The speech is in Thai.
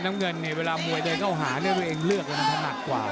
และน้องเงินเวลามวยถึงเค้าหาเองเลือกร่างมุมธนัดกว่า